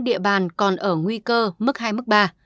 địa bàn còn ở nguy cơ mức hai mức ba